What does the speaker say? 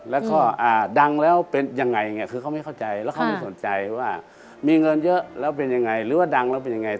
แล้วก็ดังแล้วเป็นยังไงคือเขาไม่เข้าใจแล้วเขาไม่สนใจว่ามีเงินเยอะแล้วเป็นยังไงหรือว่าดังแล้วเป็นยังไง